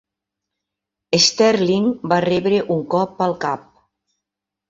Sterling va rebre un cop al cap.